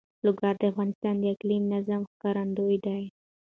لوگر د افغانستان د اقلیمي نظام ښکارندوی ده.